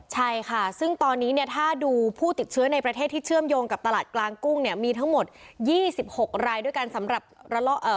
ใช่ค่ะซึ่งตอนนี้เนี่ยถ้าดูผู้ติดเชื้อในประเทศที่เชื่อมโยงกับตลาดกลางกุ้งเนี่ยมีทั้งหมดยี่สิบหกรายด้วยกันสำหรับระลอกเอ่อ